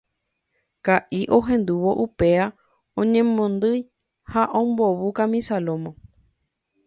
Ka'i ohendúvo upéva oñemondýi ha ombovu kamisa lómo.